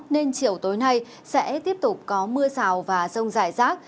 nên chiều tối nay sẽ tiếp tục có mưa rào và rông rải rác